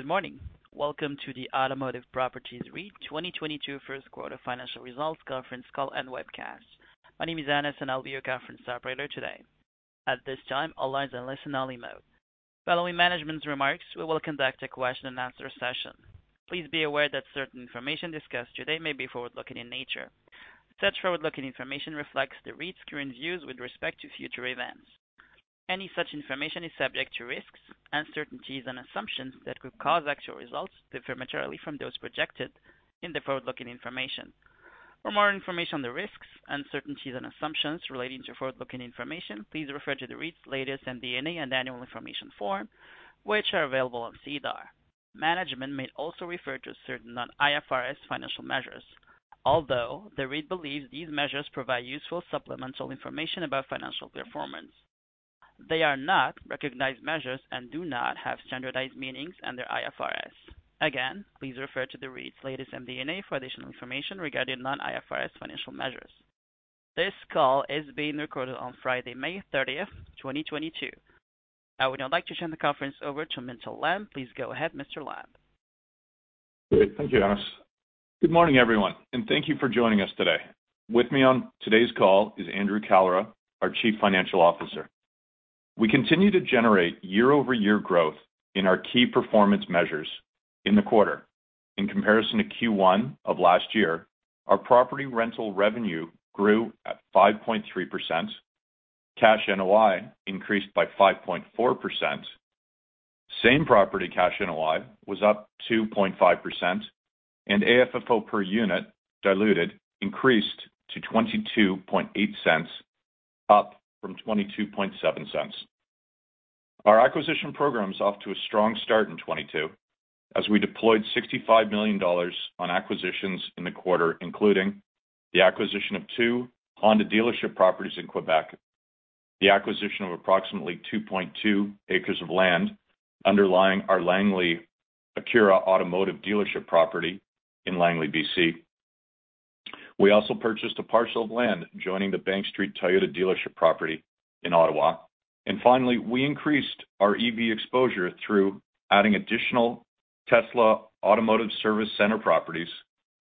Good morning. Welcome to the Automotive Properties REIT 2022 Q1 financial results Conference Call and webcast. My name is Anas, and I'll be your conference operator today. At this time, all lines are in listen only mode. Following management's remarks, we will conduct a question and answer session. Please be aware that certain information discussed today may be forward-looking in nature. Such forward-looking information reflects the REIT's current views with respect to future events. Any such information is subject to risks, uncertainties, and assumptions that could cause actual results to differ materially from those projected in the forward-looking information. For more information on the risks, uncertainties, and assumptions relating to forward-looking information, please refer to the REIT's latest MD&A and Annual Information Form, which are available on SEDAR. Management may also refer to certain non-IFRS financial measures. Although the REIT believes these measures provide useful supplemental information about financial performance, they are not recognized measures and do not have standardized meanings under IFRS. Again, please refer to the REIT's latest MD&A for additional information regarding non-IFRS financial measures. This call is being recorded on Friday, May 30, 2022. I would now like to turn the conference over to Milton Lamb. Please go ahead, Mr. Lamb. Great. Thank you, Anas. Good morning, everyone, and thank you for joining us today. With me on today's call is Andrew Kalra, our Chief Financial Officer. We continue to generate year-over-year growth in our key performance measures in the quarter. In comparison to Q1 of last year, our property rental revenue grew at 5.3%, cash NOI increased by 5.4%, same-property cash NOI was up 2.5%, and AFFO per unit diluted increased to 0.228, up from 0.227. Our acquisition program is off to a strong start in 2022 as we deployed 65 million dollars on acquisitions in the quarter, including the acquisition of two Honda dealership properties in Quebec, the acquisition of approximately 2.2 acres of land underlying our Langley Acura automotive dealership property in Langley, BC. We also purchased a parcel of land joining the Bank Street Toyota dealership property in Ottawa. Finally, we increased our EV exposure through adding additional Tesla automotive service center properties,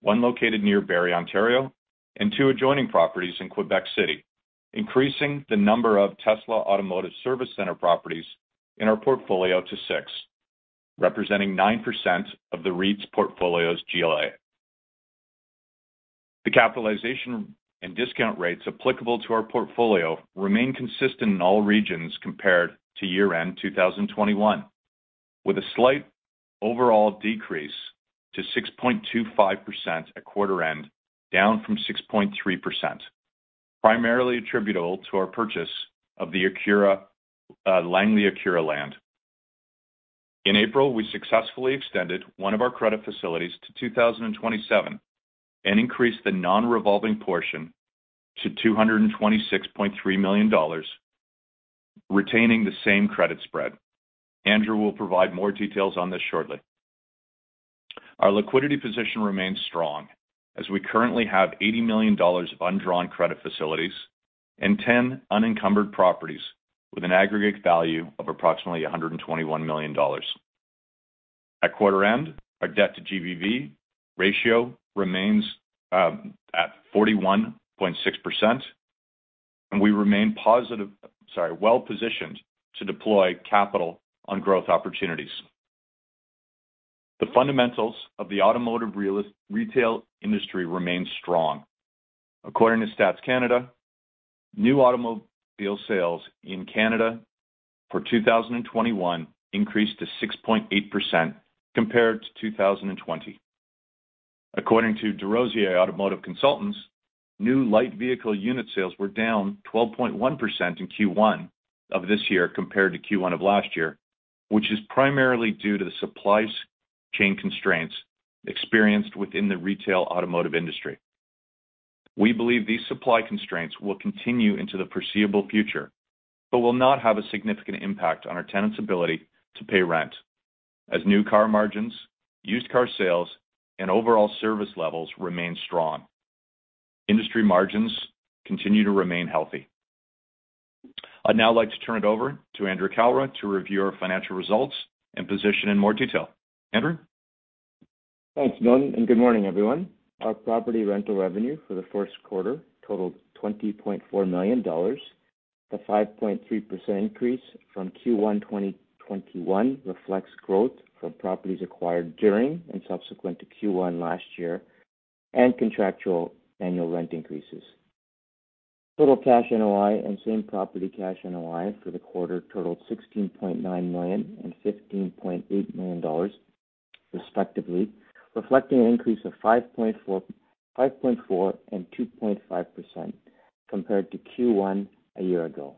one located near Barrie, Ontario, and two adjoining properties in Quebec City, increasing the number of Tesla automotive service center properties in our portfolio to 6, representing 9% of the REIT's portfolio's GLA. The capitalization and discount rates applicable to our portfolio remain consistent in all regions compared to year-end 2021, with a slight overall decrease to 6.25% at quarter-end, down from 6.3%, primarily attributable to our purchase of the Acura of Langley land. In April, we successfully extended one of our credit facilities to 2027 and increased the non-revolving portion to 226.3 million dollars, retaining the same credit spread. Andrew will provide more details on this shortly. Our liquidity position remains strong as we currently have 80 million dollars of undrawn credit facilities and ten unencumbered properties with an aggregate value of approximately 121 million dollars. At quarter-end, our debt-to-GBV ratio remains at 41.6%, and we remain well-positioned to deploy capital on growth opportunities. The fundamentals of the automotive retail industry remain strong. According to Statistics Canada, new automobile sales in Canada for 2021 increased to 6.8% compared to 2020. According to DesRosiers Automotive Consultants, new light vehicle unit sales were down 12.1% in Q1 of this year compared to Q1 of last year, which is primarily due to the supply chain constraints experienced within the retail automotive industry. We believe these supply constraints will continue into the foreseeable future but will not have a significant impact on our tenants' ability to pay rent as new car margins, used car sales, and overall service levels remain strong. Industry margins continue to remain healthy. I'd now like to turn it over to Andrew Kalra to review our financial results and position in more detail. Andrew? Thanks, Mint, and good morning, everyone. Our property rental revenue for the Q1 totaled 20.4 million dollars. The 5.3% increase from Q1 2021 reflects growth from properties acquired during and subsequent to Q1 last year and contractual annual rent increases. Total cash NOI and same-property cash NOI for the quarter totaled 16.9 million and 15.8 million dollars, respectively, reflecting an increase of 5.4% and 2.5% compared to Q1 a year ago.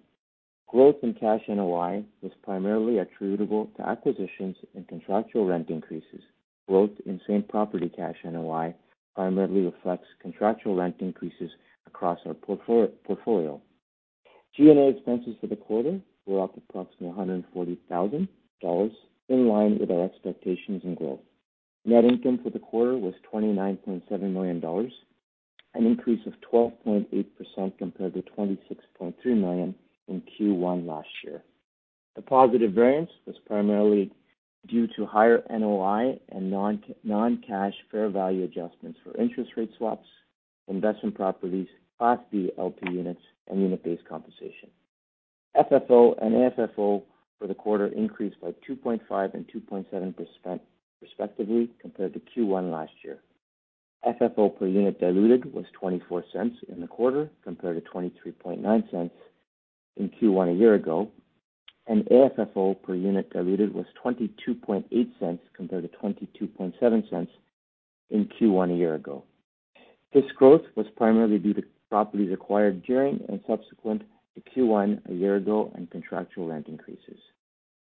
Growth in cash NOI was primarily attributable to acquisitions and contractual rent increases. Growth in same-property cash NOI primarily reflects contractual rent increases across our portfolio. G&A expenses for the quarter were up approximately 140,000 dollars in line with our expectations and growth. Net income for the quarter was 29.7 million dollars. It increased 12.8% compared to 26.3 million in Q1 last year. The positive variance was primarily due to higher NOI and non-cash fair value adjustments for interest rate swaps, investment properties, Class B LP Units, and unit-based compensation. FFO and AFFO for the quarter increased by 2.5% and 2.7% respectively compared to Q1 last year. FFO per unit diluted was 0.24 in the quarter compared to 0.239 in Q1 a year ago, and AFFO per unit diluted was 0.228 compared to 0.227 in Q1 a year ago. This growth was primarily due to properties acquired during and subsequent to Q1 a year ago and contractual rent increases.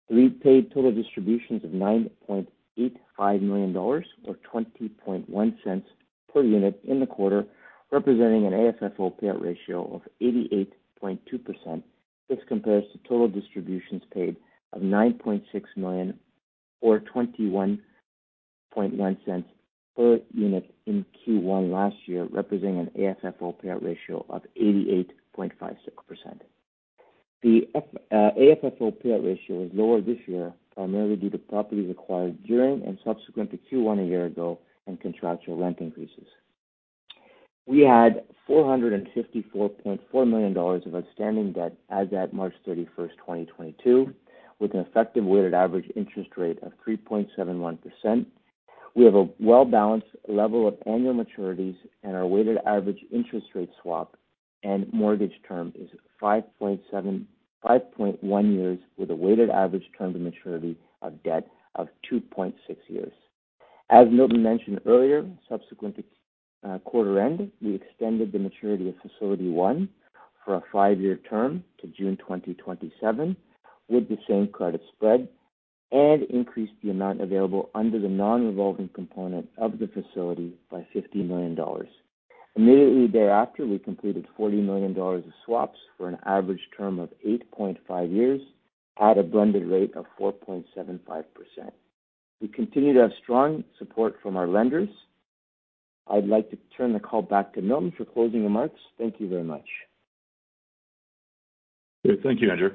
We paid total distributions of 9.85 million dollars, or 0.201 per unit in the quarter, representing an AFFO payout ratio of 88.2%. This compares to total distributions paid of 9.6 million or 0.211 per unit in Q1 last year, representing an AFFO payout ratio of 88.56%. The AFFO payout ratio was lower this year, primarily due to properties acquired during and subsequent to Q1 a year ago and contractual rent increases. We had 454.4 million dollars of outstanding debt as at March 31, 2022, with an effective weighted average interest rate of 3.71%. We have a well-balanced level of annual maturities and our weighted average interest rate swap and mortgage term is 5.1 years with a weighted average term to maturity of debt of 2.6 years. As Milton mentioned earlier, subsequent to quarter end, we extended the maturity of facility one for a 5-year term to June 2027 with the same credit spread, and increased the amount available under the non-revolving component of the facility by 50 million dollars. Immediately thereafter, we completed 40 million dollars of swaps for an average term of 8.5 years at a blended rate of 4.75%. We continue to have strong support from our lenders. I'd like to turn the call back to Milton for closing remarks. Thank you very much. Thank you, Andrew.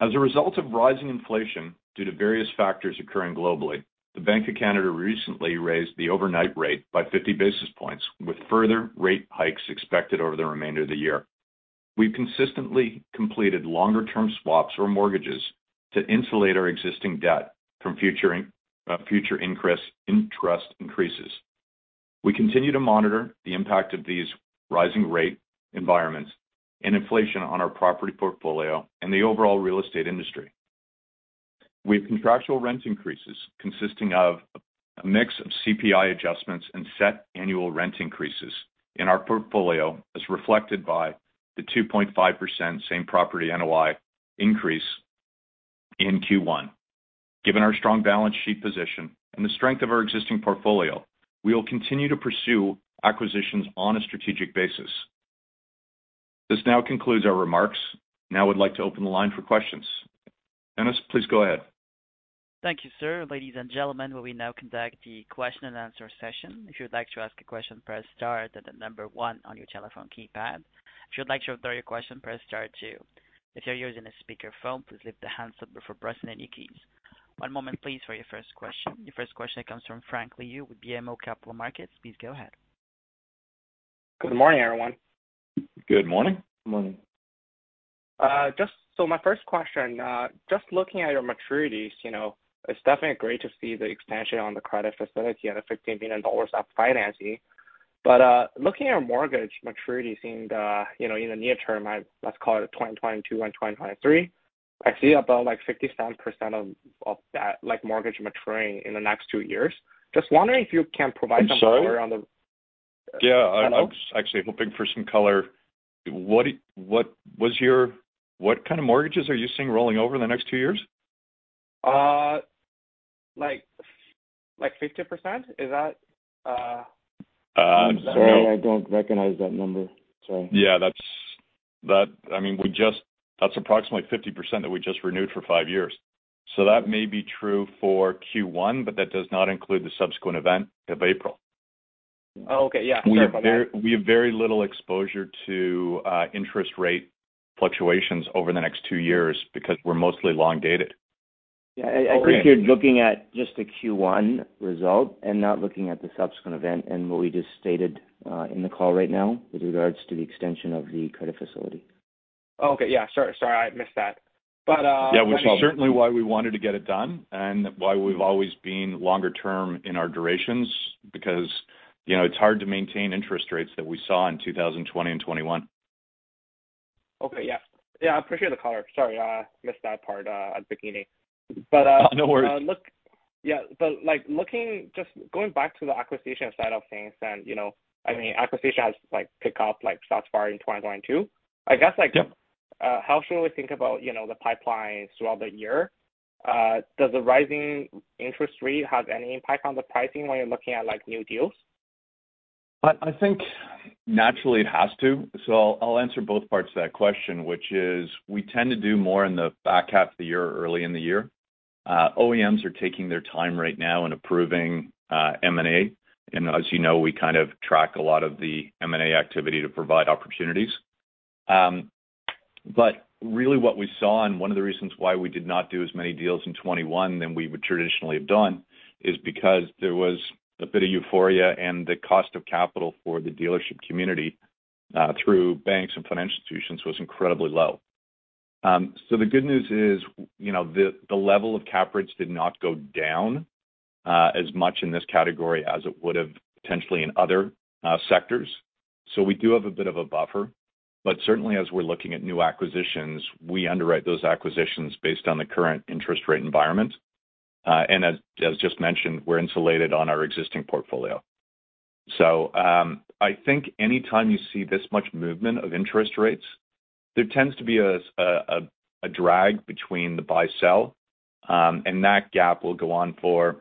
As a result of rising inflation due to various factors occurring globally, the Bank of Canada recently raised the overnight rate by 50 basis points, with further rate hikes expected over the remainder of the year. We've consistently completed longer-term swaps or mortgages to insulate our existing debt from future interest increases. We continue to monitor the impact of these rising rate environments and inflation on our property portfolio and the overall real estate industry. We have contractual rent increases consisting of a mix of CPI adjustments and set annual rent increases in our portfolio, as reflected by the 2.5% same property NOI increase in Q1. Given our strong balance sheet position and the strength of our existing portfolio, we will continue to pursue acquisitions on a strategic basis. This now concludes our remarks. Now we'd like to open the line for questions. Dennis, please go ahead. Thank you, sir. Ladies and gentlemen, we will now conduct the question and answer session. If you'd like to ask a question, press star, then the number one on your telephone keypad. If you'd like to withdraw your question, press star two. If you're using a speakerphone, please lift the handset before pressing any keys. One moment please for your first question. Your first question comes from Frank Liu with BMO Capital Markets. Please go ahead. Good morning, everyone. Good morning. Good morning. Just so my first question, just looking at your maturities, you know, it's definitely great to see the expansion on the credit facility and the 15 billion dollars of financing. Looking at mortgage maturities in the, you know, in the near term, let's call it 2022 and 2023, I see about like 57% of that, like, mortgage maturing in the next two years. Just wondering if you can provide some color on the. I'm sorry. Yeah, I was actually hoping for some color. What kind of mortgages are you seeing rolling over in the next two years? Uh, like, like fifty percent. Is that, uh- Um, so- Sorry, I don't recognize that number. Sorry. I mean, that's approximately 50% that we just renewed for five years. That may be true for Q1, but that does not include the subsequent event of April. Oh, okay. Yeah. Sorry about that. We have very little exposure to interest rate fluctuations over the next two years because we're mostly long-dated. I think you're looking at just the Q1 result and not looking at the subsequent event and what we just stated in the call right now with regards to the extension of the credit facility. Oh, okay. Yeah. Sorry, I missed that. Yeah. Which is certainly why we wanted to get it done and why we've always been longer-term in our durations. Because, you know, it's hard to maintain interest rates that we saw in 2020 and 2021. Okay. Yeah. Yeah, I appreciate the color. Sorry, I missed that part at the beginning. No worries. Look. Yeah, like, looking, just going back to the acquisition side of things then, you know, I mean acquisition has, like, picked up like thus far in 2022. I guess like. Yeah How should we think about, you know, the pipeline throughout the year? Does the rising interest rate have any impact on the pricing when you're looking at, like, new deals? I think naturally it has to. I'll answer both parts to that question, which is we tend to do more in the back half of the year or early in the year. OEMs are taking their time right now in approving M&A. As you know, we kind of track a lot of the M&A activity to provide opportunities. But really what we saw, and one of the reasons why we did not do as many deals in 2021 than we would traditionally have done, is because there was a bit of euphoria, and the cost of capital for the dealership community through banks and financial institutions was incredibly low. The good news is, you know, the level of cap rates did not go down as much in this category as it would have potentially in other sectors. We do have a bit of a buffer, but certainly as we're looking at new acquisitions, we underwrite those acquisitions based on the current interest rate environment. As just mentioned, we're insulated on our existing portfolio. I think anytime you see this much movement of interest rates, there tends to be a drag between the buy-sell, and that gap will go on for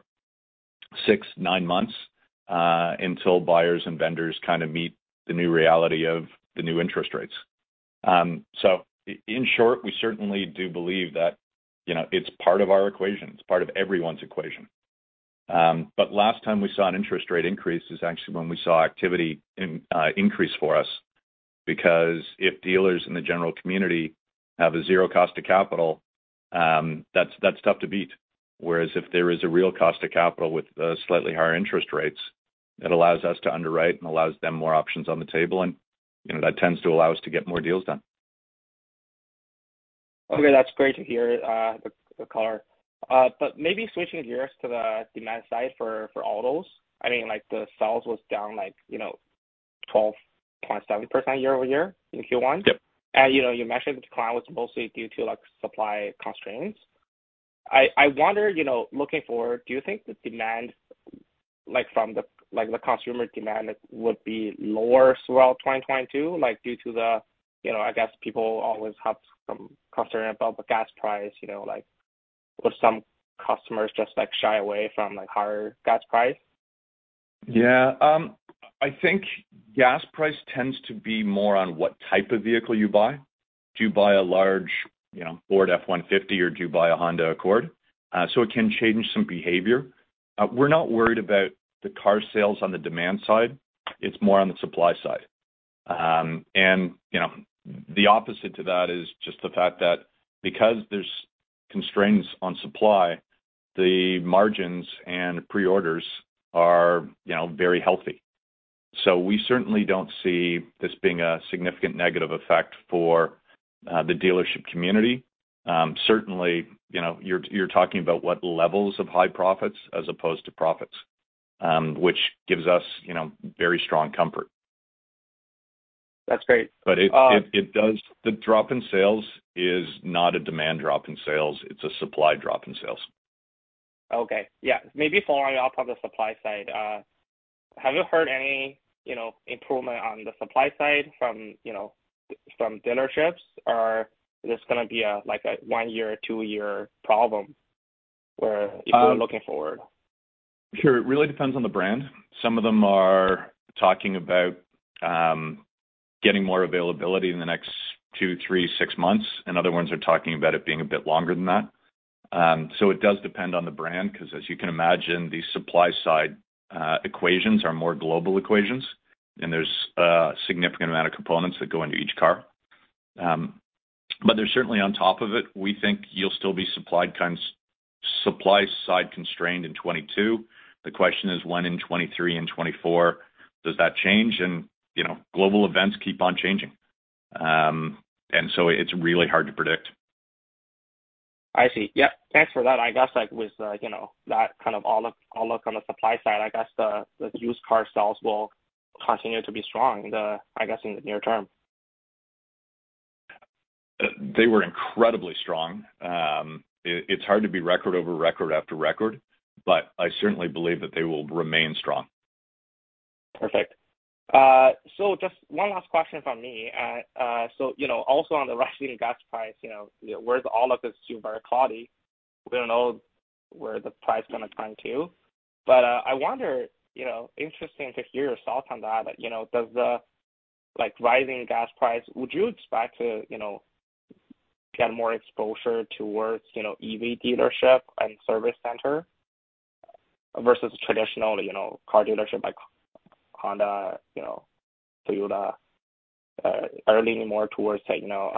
6-9 months, until buyers and vendors kind of meet the new reality of the new interest rates. In short, we certainly do believe that, you know, it's part of our equation. It's part of everyone's equation. Last time we saw an interest rate increase is actually when we saw activity increase for us because if dealers in the general community have a zero cost of capital, that's tough to beat. Whereas if there is a real cost of capital with slightly higher interest rates, it allows us to underwrite and allows them more options on the table. You know, that tends to allow us to get more deals done. Okay, that's great to hear, the color. Maybe switching gears to the demand side for autos. I mean, like the sales was down like, you know, 12.7% year-over-year in Q1. Yep. You know, you mentioned the decline was mostly due to like supply constraints. I wonder, you know, looking forward, do you think the demand, like from the, like, the consumer demand would be lower throughout 2022, like due to the, you know, I guess people always have some concern about the gas price, you know, like will some customers just like shy away from like higher gas price? Yeah. I think gas price tends to be more on what type of vehicle you buy. Do you buy a large, you know, Ford F-150 or do you buy a Honda Accord? It can change some behavior. We're not worried about the car sales on the demand side. It's more on the supply side. You know, the opposite to that is just the fact that because there's constraints on supply, the margins and pre-orders are, you know, very healthy. We certainly don't see this being a significant negative effect for the dealership community. Certainly, you know, you're talking about what levels of high-profits as opposed to profits, which gives us, you know, very strong comfort. That's great. It does. The drop in sales is not a demand drop in sales. It's a supply drop in sales. Okay. Yeah. Maybe following up on the supply side, have you heard any, you know, improvement on the supply side from, you know, from dealerships? Or this is gonna be a, like a one-year or two-year problem where- Um- If we're looking forward. Sure. It really depends on the brand. Some of them are talking about getting more availability in the next 2, 3, 6 months, and other ones are talking about it being a bit longer than that. It does depend on the brand 'cause as you can imagine, the supply side equations are more global equations. There's a significant amount of components that go into each car. They're certainly on top of it. We think you'll still be supply side constrained in 2022. The question is when in 2023 and 2024 does that change? You know, global events keep on changing. It's really hard to predict. I see. Yep. Thanks for that. I guess, like with, you know, that kind of outlook on the supply side, I guess the used car sales will continue to be strong. I guess in the near term. They were incredibly strong. It's hard to be record over record after record, but I certainly believe that they will remain strong. Perfect. just one last question from me. you know, also on the rising gas price, you know, where's all the consumer clouding, we don't know where the price gonna turn to. I wonder, you know, interesting to hear your thoughts on that. Like, you know, does the, like rising gas price, would you expect to, you know, get more exposure towards, you know, EV dealership and service center versus traditional, you know, car dealership like Honda, you know, Toyota? are you leaning more towards, like, you know,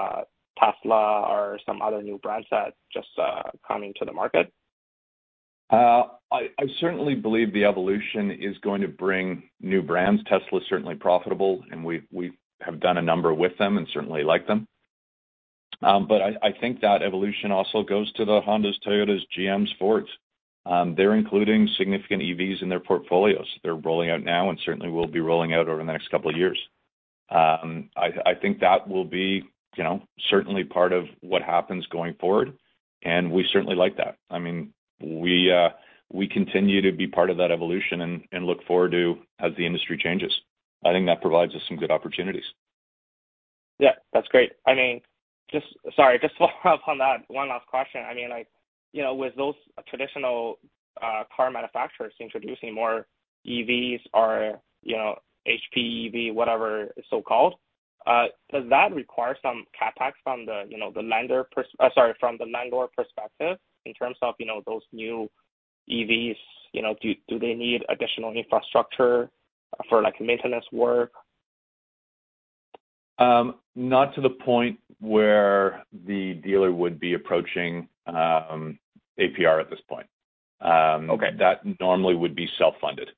Tesla or some other new brands that just come into the market? I certainly believe the evolution is going to bring new brands. Tesla is certainly profitable, and we have done a number with them and certainly like them. I think that evolution also goes to the Hondas, Toyotas, GMs, Fords. They're including significant EVs in their portfolios. They're rolling out now and certainly will be rolling out over the next couple of years. I think that will be, you know, certainly part of what happens going forward, and we certainly like that. I mean, we continue to be part of that evolution and look forward to as the industry changes. I think that provides us some good opportunities. Yeah, that's great. I mean, sorry, just follow-up on that one last question. I mean, like, you know, with those traditional car manufacturers introducing more EVs or, you know, PHEV, whatever it's so-called. Does that require some CapEx from the, you know, the landlord perspective in terms of, you know, those new EVs, you know, do they need additional infrastructure for, like, maintenance work? Not to the point where the dealer would be approaching APR at this point. Okay. that normally would be self-funded.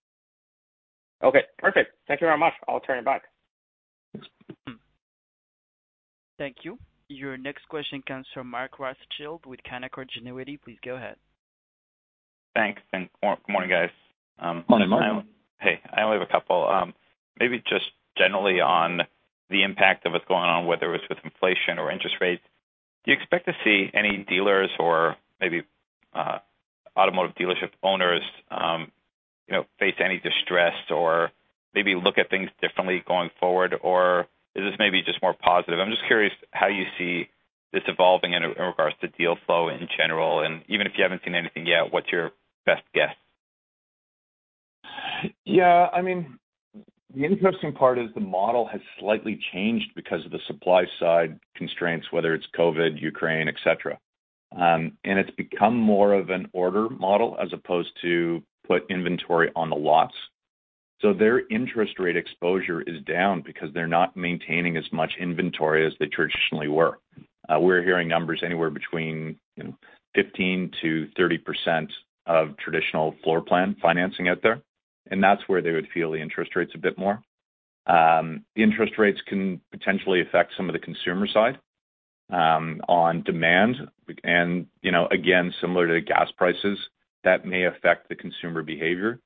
Okay. Perfect. Thank you very much. I'll turn it back. Thank you. Your next question comes from Mark Rothschild with Canaccord Genuity. Please go ahead. Thanks and morning, guys. Morning, Mark. Hey, I only have a couple. Maybe just generally on the impact of what's going on, whether it's with inflation or interest rates. Do you expect to see any dealers or maybe automotive dealership owners, you know, face any distress or maybe look at things differently going forward? Or is this maybe just more positive? I'm just curious how you see this evolving in regards to deal flow in general, and even if you haven't seen anything yet, what's your best guess? Yeah. I mean, the interesting part is the model has slightly changed because of the supply side constraints, whether it's COVID, Ukraine, et cetera. It's become more of an order model as opposed to put inventory on the lots. So their interest rate exposure is down because they're not maintaining as much inventory as they traditionally were. We're hearing numbers anywhere between, you know, 15%-30% of traditional floor plan financing out there, and that's where they would feel the interest rates a bit more. The interest rates can potentially affect some of the consumer side, on demand. You know, again, similar to gas prices, that may affect the consumer behavior.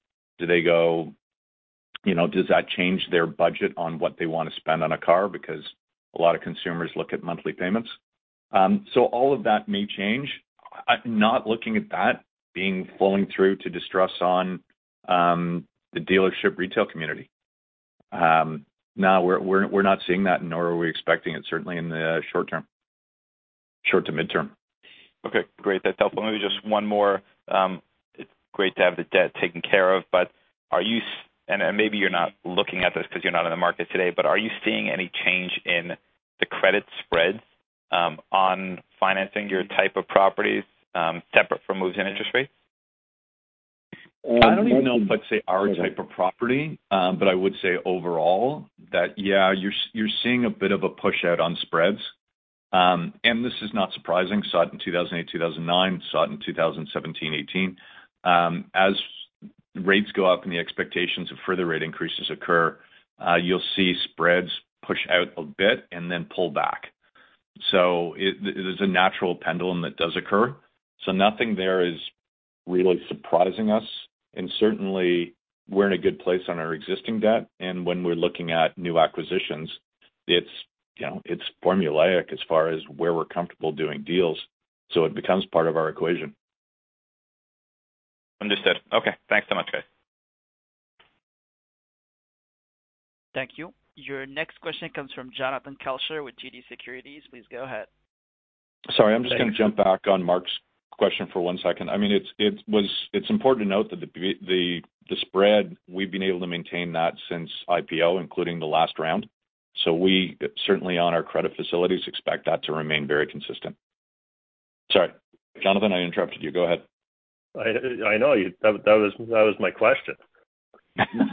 Does that change their budget on what they wanna spend on a car? Because a lot of consumers look at monthly payments. All of that may change. I'm not looking at that being flowing through to distress on the dealership retail community. No, we're not seeing that, nor are we expecting it certainly in the short-term. Short-to-midterm. Okay. Great. That's helpful. Maybe just one more. It's great to have the debt taken care of, and maybe you're not looking at this 'cause you're not in the market today, but are you seeing any change in the credit spread on financing your type of properties, separate from moves in interest rates? I don't even know if I'd say our type of property, but I would say overall that, yeah, you're seeing a bit of a push out on spreads. This is not surprising. Saw it in 2008, 2009. Saw it in 2017, 2018. As rates go up and the expectations of further rate increases occur, you'll see spreads push out a bit and then pull back. It is a natural pendulum that does occur. Nothing there is really surprising us. Certainly we're in a good place on our existing debt. When we're looking at new acquisitions, it's, you know, it's formulaic as far as where we're comfortable doing deals, so it becomes part of our equation. Understood. Okay. Thanks so much, guys. Thank you. Your next question comes from Jonathan Kelcher with TD Securities. Please go ahead. Sorry, I'm just gonna jump back on Mark's question for one second. I mean, it's important to note that the spread we've been able to maintain that since IPO, including the last round. We certainly on our credit facilities expect that to remain very consistent. Sorry, Jonathan, I interrupted you. Go ahead. I know. That was my question.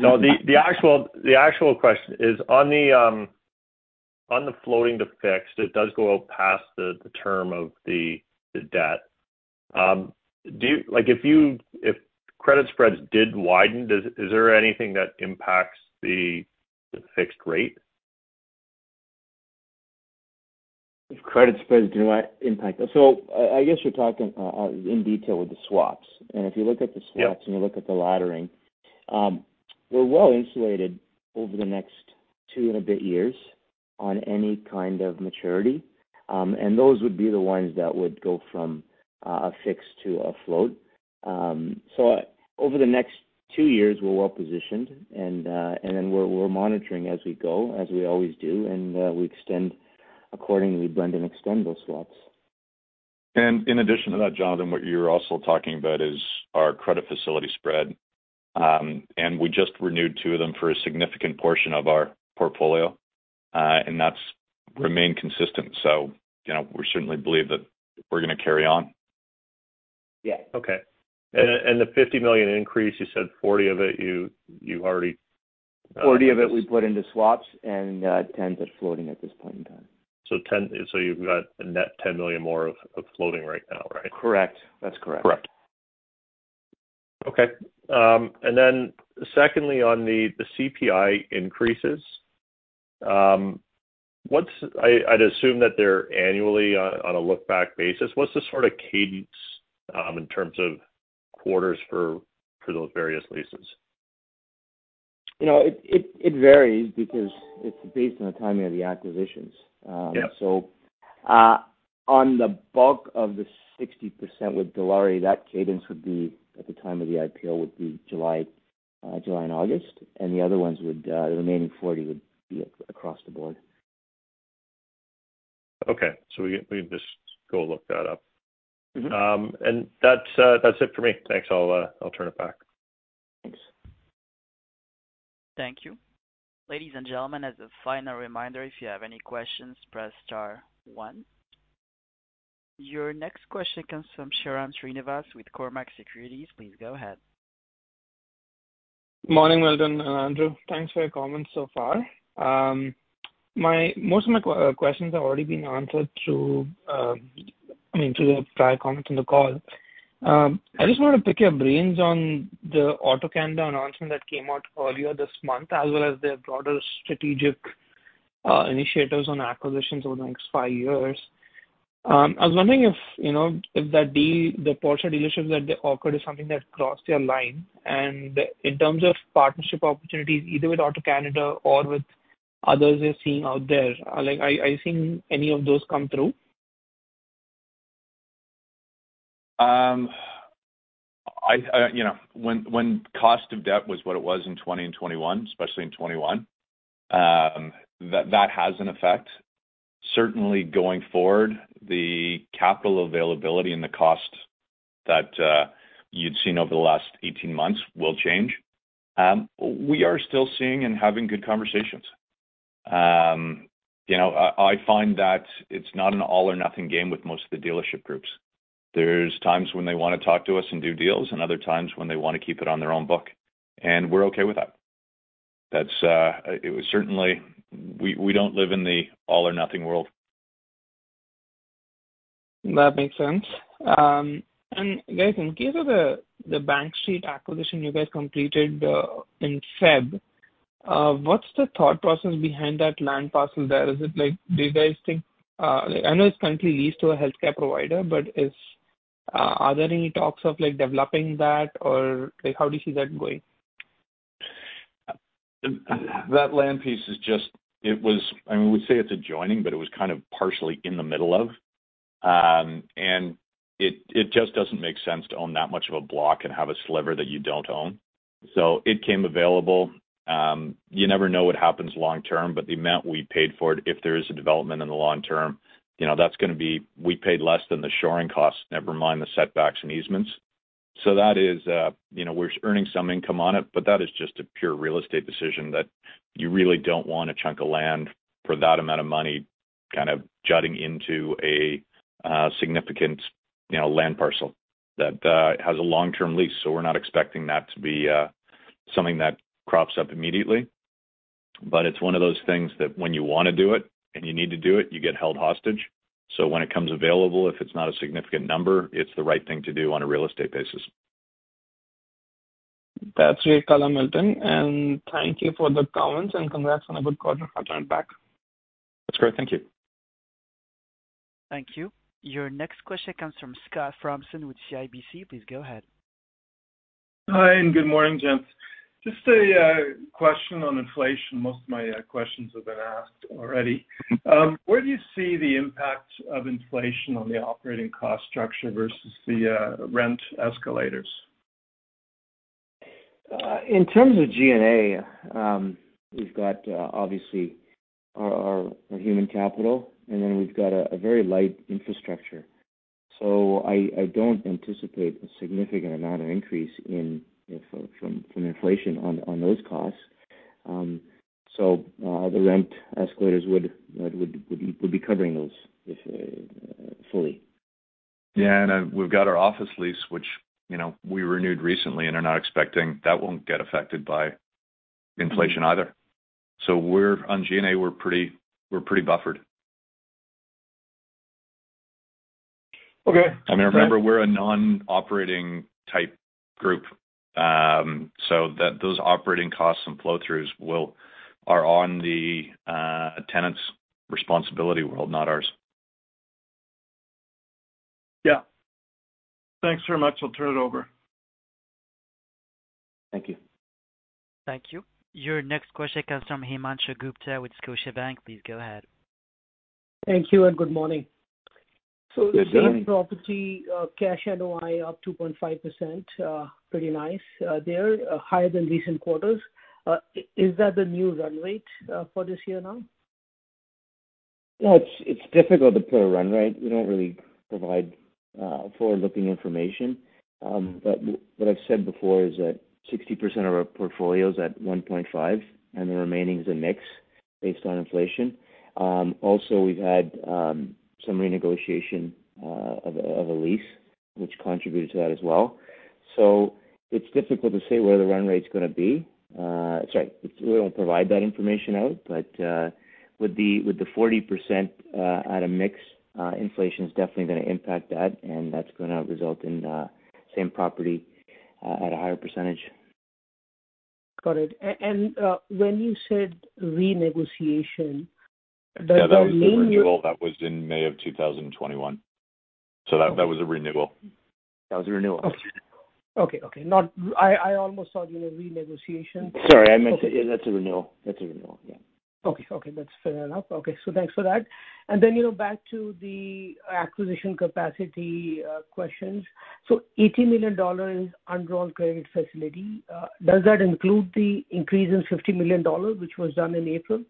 No, the actual question is on the floating to fixed. It does go out past the term of the debt. Like, if credit spreads did widen, is there anything that impacts the fixed rate? If credit spreads do impact us. I guess you're talking in detail with the swaps. If you look at the swaps- Yeah. You look at the laddering, we're well-insulated over the next two and a bit years on any kind of maturity. Those would be the ones that would go from a fixed to a float. Over the next two years, we're well-positioned and then we're monitoring as we go, as we always do, and we extend accordingly, blend and extend those swaps. In addition to that, Jonathan, what you're also talking about is our credit facility spread. We just renewed two of them for a significant portion of our portfolio, and that's remained consistent. You know, we certainly believe that we're gonna carry on. Yeah. Okay. The 50 million increase, you said 40 of it, you already 40% of it we put into swaps and 10% at floating at this point in time. You've got a net 10 million more of floating right now, right? Correct. That's correct. Correct. Okay. Secondly, on the CPI increases, I'd assume that they're annually on a look back basis. What's the sort of cadence in terms of quarters for those various leases? You know, it varies because it's based on the timing of the acquisitions. Yeah. On the bulk of the 60% with Dilawri, that cadence would be at the time of the IPO, would be July and August, and the other ones would, the remaining 40% would be across the board. Okay. We just go look that up. Mm-hmm. That's it for me. Thanks. I'll turn it back. Thanks. Thank you. Ladies and gentlemen, as a final reminder, if you have any questions, press star one. Your next question comes from Sairam Srinivas with Cormark Securities. Please go ahead. Morning, Milton and Andrew. Thanks for your comments so far. Most of my questions have already been answered through, I mean, through the prior comments on the call. I just want to pick your brains on the AutoCanada announcement that came out earlier this month, as well as their broader strategic initiatives on acquisitions over the next five years. I was wondering if, you know, if the Porsche dealership that they acquired is something that crossed your line. In terms of partnership opportunities, either with AutoCanada or with others you're seeing out there, like are you seeing any of those come through? You know, when cost of debt was what it was in 2020 and 2021, especially in 2021, that has an effect. Certainly going forward, the capital availability and the cost that you'd seen over the last 18 months will change. We are still seeing and having good conversations. You know, I find that it's not an all or nothing game with most of the dealership groups. There's times when they wanna talk to us and do deals, and other times when they wanna keep it on their own book, and we're okay with that. That's certainly. We don't live in the all or nothing world. That makes sense. Guys, in the case of the Bank Street acquisition you guys completed in February, what's the thought process behind that land parcel there? Is it like, do you guys think, I know it's currently leased to a healthcare provider, but are there any talks of like developing that? Or like how do you see that going? That land piece, I mean, we'd say it's adjoining, but it was kind of partially in the middle of, and it just doesn't make sense to own that much of a block and have a sliver that you don't own. It came available. You never know what happens long-term, but the amount we paid for it, if there is a development in the long-term, you know, that's gonna be. We paid less than the shoring costs, never mind the setbacks and easements. That is, you know, we're earning some income on it, but that is just a pure real estate decision that you really don't want a chunk of land for that amount of money kind of jutting into a significant, you know, land parcel that has a long-term lease. We're not expecting that to be something that crops up immediately. It's one of those things that when you wanna do it and you need to do it, you get held hostage. When it comes available, if it's not a significant number, it's the right thing to do on a real estate basis. That's really clear, Milton. Thank you for the comments and congrats on a good quarter. I'll turn it back. That's great. Thank you. Thank you. Your next question comes from Scott Fromson with CIBC. Please go ahead. Hi, good morning, gents. Just a question on inflation. Most of my questions have been asked already. Where do you see the impact of inflation on the operating cost structure versus the rent escalators? In terms of G&A, we've got obviously our human capital, and then we've got a very light infrastructure. I don't anticipate a significant amount of increase in you know from inflation on those costs. The rent escalators would be covering those if fully. Yeah. We've got our office lease, which, you know, we renewed recently and are not expecting that won't get affected by inflation either. We're on G&A, we're pretty buffered. Okay. Remember, we're a non-operating type group. Those operating costs and flow-throughs are the tenant's responsibility, not ours. Yeah. Thanks very much. I'll turn it over. Thank you. Thank you. Your next question comes from Himanshu Gupta with Scotiabank. Please go ahead. Thank you and good morning. Good morning. The same-property cash NOI up 2.5%. Pretty nice there, higher than recent quarters. Is that the new run rate for this year now? It's difficult to put a run rate. We don't really provide forward-looking information. What I've said before is that 60% of our portfolio is at 1.5, and the remaining is a mix based on inflation. Also we've had some renegotiation of a lease which contributed to that as well. It's difficult to say where the run rate's gonna be. Sorry, we don't provide that information out. With the 40% at a mix, inflation's definitely gonna impact that, and that's gonna result in same property at a higher percentage. Got it. When you said renegotiation, does it mean- Yeah, that was a renewal. That was in May 2021. That was a renewal. That was a renewal. Okay. I almost thought you meant renegotiation. Sorry. Okay. Yeah, that's a renewal. Yeah. Okay. That's fair enough. Thanks for that. You know, back to the acquisition capacity questions. 80 million dollars is undrawn credit facility. Does that include the increase in 50 million dollars, which was done in April?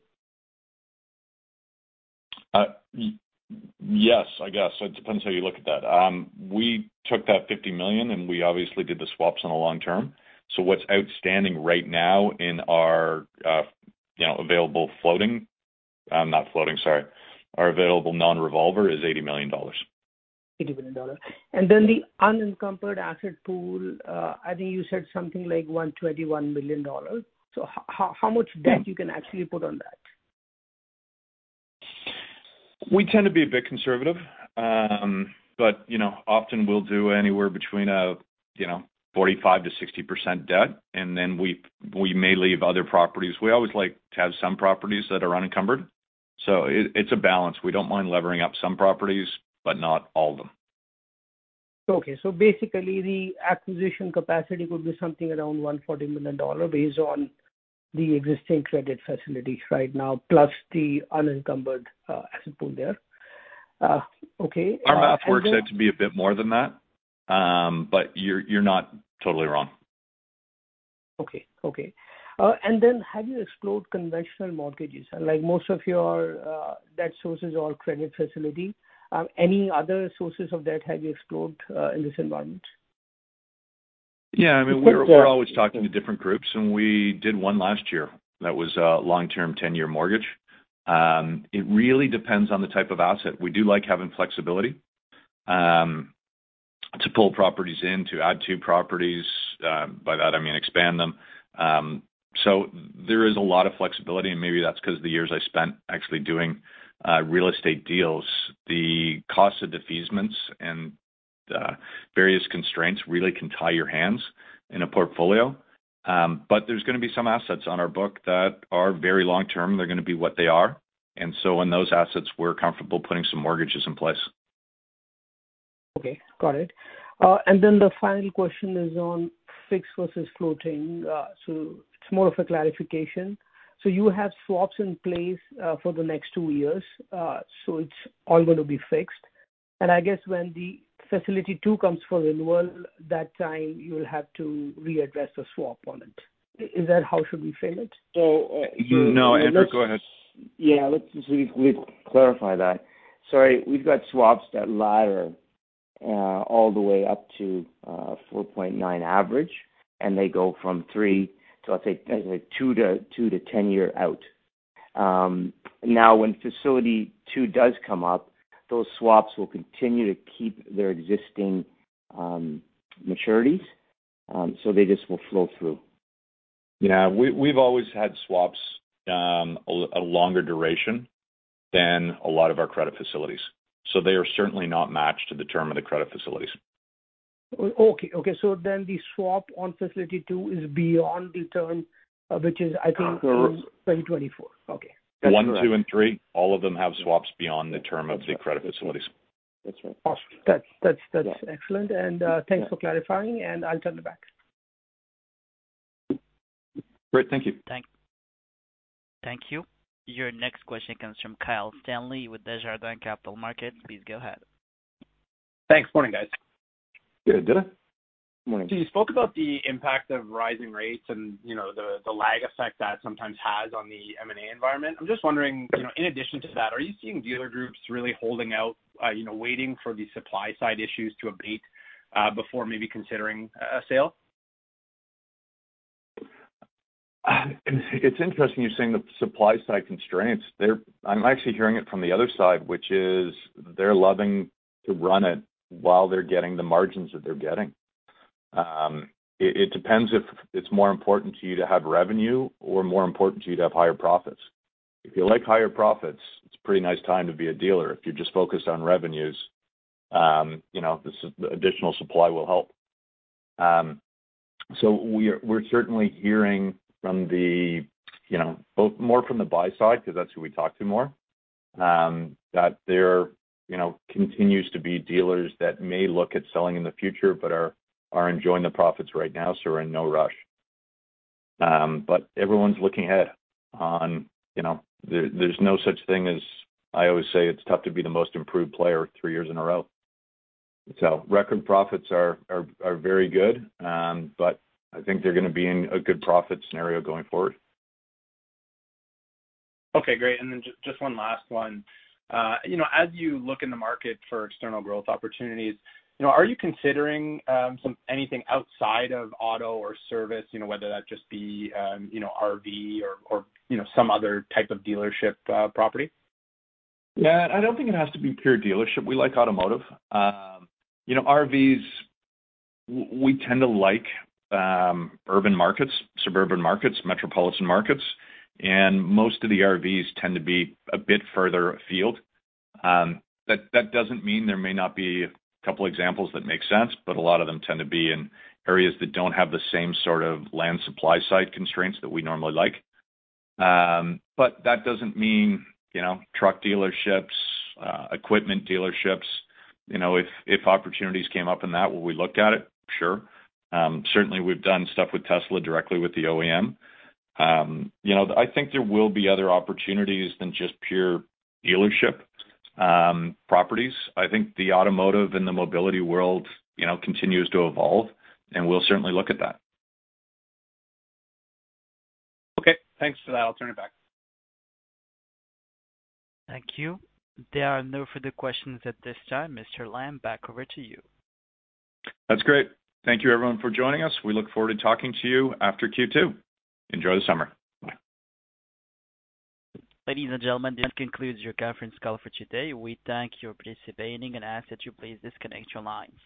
Yes, I guess. It depends how you look at that. We took that 50 million, and we obviously did the swaps on the long-term. What's outstanding right now in our available non-revolver is 80 million dollars. CAD 80 million. Then the unencumbered asset pool, I think you said something like 121 million dollars. How much debt you can actually put on that? We tend to be a bit conservative. You know, often we'll do anywhere between, you know, 45%-60% debt, and then we may leave other properties. We always like to have some properties that are unencumbered, so it's a balance. We don't mind levering up some properties, but not all of them. Okay. Basically the acquisition capacity would be something around 140 million dollar based on the existing credit facilities right now, plus the unencumbered asset pool there. Our math works out to be a bit more than that, but you're not totally wrong. Okay. Have you explored conventional mortgages? Like, most of your debt sources are credit facility. Any other sources of debt have you explored in this environment? Yeah, I mean, we're always talking to different groups, and we did one last year that was a long-term 10-year mortgage. It really depends on the type of asset. We do like having flexibility, to pull properties in, to add to properties. By that I mean expand them. So there is a lot of flexibility and maybe that's 'cause the years I spent actually doing real estate deals. The cost of defeasance and various constraints really can tie your hands in a portfolio. But there's gonna be some assets on our book that are very long-term. They're gonna be what they are. In those assets, we're comfortable putting some mortgages in place. Okay, got it. The final question is on fixed versus floating. It's more of a clarification. You have swaps in place for the next two years, so it's all gonna be fixed. I guess when the facility two comes for renewal, that time you'll have to readdress the swap on it. Is that how should we frame it? You know, Andrew, go ahead. Yeah. Let's just clarify that. Sorry. We've got swaps that ladder all the way up to 4.9% average, and they go from 3 to, I'd say, 2- to 10-year out. Now when facility 2 does come up, those swaps will continue to keep their existing maturities, so they just will flow-through. Yeah. We've always had swaps, a longer duration than a lot of our credit facilities, so they are certainly not matched to the term of the credit facilities. Okay. The swap on facility two is beyond the term, which is I think 2024. Okay. 1, 2, and 3, all of them have swaps beyond the term of the credit facilities. That's right. That's excellent. Thanks for clarifying, and I'll turn it back. Great. Thank you. Thank. Thank you. Your next question comes from Kyle Stanley with Desjardins Capital Markets. Please go ahead. Thanks. Morning, guys. Good day. Morning. You spoke about the impact of rising rates and, you know, the lag effect that sometimes has on the M&A environment. I'm just wondering, you know, in addition to that, are you seeing dealer groups really holding out, you know, waiting for the supply side issues to abate, before maybe considering a sale? It's interesting you're saying the supply side constraints. I'm actually hearing it from the other side, which is they're loving to run it while they're getting the margins that they're getting. It depends if it's more important to you to have revenue or more important to you to have higher-profits. If you like higher-profits, it's a pretty nice time to be a dealer. If you're just focused on revenues, you know, the additional supply will help. We're certainly hearing from the, you know, both more from the buy side, 'cause that's who we talk to more, that there continues to be dealers that may look at selling in the future but are enjoying the profits right now, so we're in no rush. Everyone's looking ahead on, you know. There's no such thing as, I always say, it's tough to be the most improved player three years in a row. Record profits are very good, but I think they're gonna be in a good profit scenario going forward. Okay, great. Just one last one. You know, as you look in the market for external growth opportunities, you know, are you considering something outside of auto or service, you know, whether that just be, you know, RV or you know, some other type of dealership, property? Yeah. I don't think it has to be pure dealership. We like automotive. You know, RVs, we tend to like urban markets, suburban markets, metropolitan markets, and most of the RVs tend to be a bit further afield. That doesn't mean there may not be a couple examples that make sense, but a lot of them tend to be in areas that don't have the same sort of land supply side constraints that we normally like. But that doesn't mean, you know, truck dealerships, equipment dealerships, you know, if opportunities came up in that, will we look at it? Sure. Certainly we've done stuff with Tesla directly with the OEM. You know, I think there will be other opportunities than just pure dealership properties. I think the automotive and the mobility world, you know, continues to evolve, and we'll certainly look at that. Okay, thanks for that. I'll turn it back. Thank you. There are no further questions at this time. Mr. Lamb, back over to you. That's great. Thank you everyone for joining us. We look forward to talking to you after Q2. Enjoy the summer. Bye. Ladies and gentlemen, this concludes your Conference Call for today. We thank you for participating and ask that you please disconnect your line.